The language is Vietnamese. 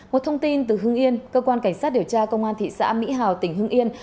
một thông tin từ hưng yên cơ quan cảnh sát điều tra công an thị xã mỹ hào tỉnh hưng yên